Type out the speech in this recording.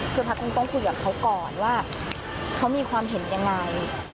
คือพักคงต้องคุยกับเขาก่อนว่าเขามีความเห็นยังไง